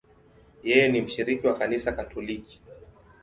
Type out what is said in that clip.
Yeye ni mshiriki wa Kanisa Katoliki.